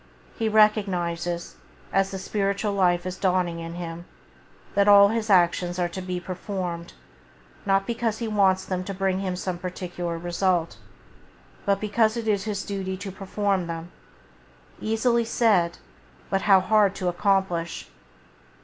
He recognizes, as the spiritual life is dawning in him, that all his actions are to be performed, not because he wants them to bring him some particular result, but because it is his duty to perform them — easily said, but how hard to accomplish!